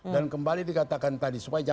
dan kembali dikatakan tadi